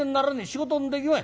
仕事もできまい。